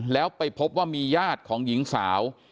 แล้วไปพบว่ามีญาติของหญิงสาว